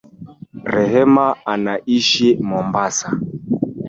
Rehema anaishi Mombasa